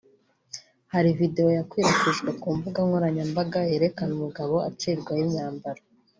Hari videwo yakwirakwijwe ku mbuga nkoranyambaga yerekana umugabo acirirwaho imyambaro